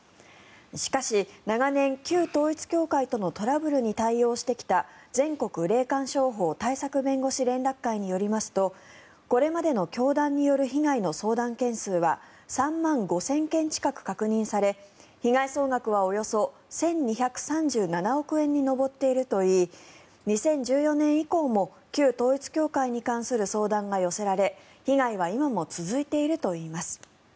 しかし長年旧統一教会とのトラブルに対応してきた全国霊感商法対策弁護士連絡会によりますとこれまでの教団による被害の相談件数は３万５０００件近く確認され被害総額はおよそ１２３７億円に上っているといい２０１４年以降も旧統一教会に関する相談が寄せられ被害は今も続いているといいます。